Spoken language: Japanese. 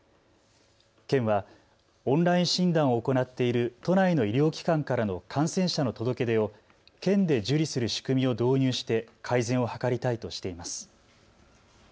県はオンライン診断を行っている都内の医療機関からの感染者の届け出を県で受理する仕組みを導入して改善を図りたいとしています。